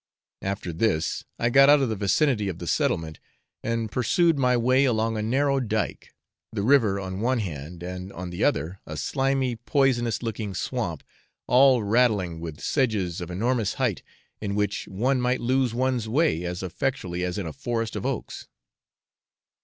After this I got out of the vicinity of the settlement, and pursued my way along a narrow dyke the river on one hand, and on the other a slimy, poisonous looking swamp, all rattling with sedges of enormous height, in which one might lose one's way as effectually as in a forest of oaks.